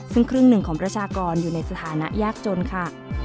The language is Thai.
ซึ่งครึ่งหนึ่งของประชากรอยู่ในสถานะยากจนค่ะ